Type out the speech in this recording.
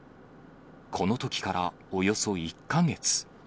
このときから、およそ１か月。